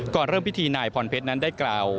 ก่อนเริ่มพิธีนายพรเพชรนั้นได้กล่าว